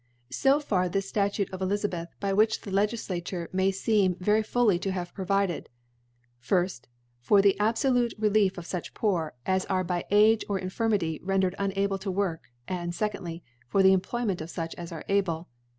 So far this Statute of E^zabetk* by which the Legidature may feeni very fully to have provided, firjt^ For. the abfolute Relief of fuch Poor as are, by Age or Infirmity, ren dered unable to workj and, fccor.dly^ For the Employment of fuch as are abie.